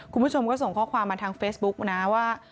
คุณผู้ชมก็ส่งข้อความมาทางเฟซบุ๊กนะว่า